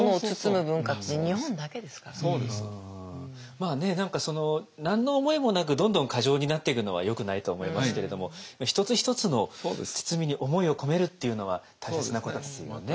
まあね何かその何の思いもなくどんどん過剰になっていくのはよくないと思いますけれども一つ一つの包みに思いを込めるっていうのは大切なことですよね。